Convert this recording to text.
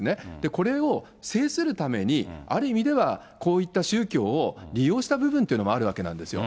これを制するためにある意味では、こういった宗教を利用した部分っていうのもあるわけなんですよ。